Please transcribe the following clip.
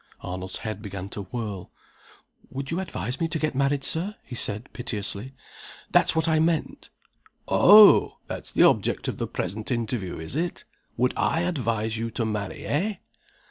Arnold's head began to whirl. "Would you advise me to get married, Sir?" he said, piteously. "That's what I meant." "Oh! That's the object of the present interview, is it? Would I advise you to marry, eh?"